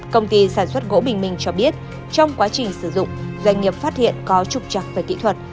công ty sản xuất gỗ bình minh cho biết trong quá trình sử dụng doanh nghiệp phát hiện có trục trặc về kỹ thuật